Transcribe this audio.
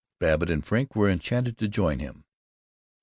Babbitt and Frink were enchanted to join him.